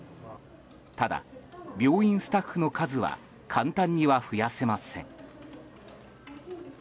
ただ、病院スタッフの数は簡単には増やせません。